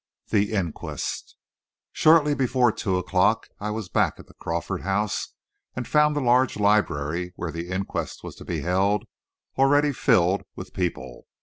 THE INQUEST Shortly before two o'clock I was back at the Crawford house and found the large library, where the inquest was to be held, already well filled with people.